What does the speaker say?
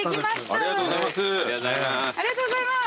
ありがとうございます。